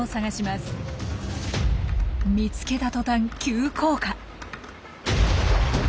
見つけたとたん急降下。